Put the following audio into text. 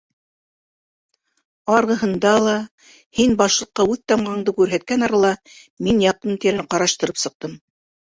Арғыһында ла... һин башлыҡҡа үҙ тамғаңды күрһәткән арала, мин яҡын-тирәне ҡараштырып сыҡтым.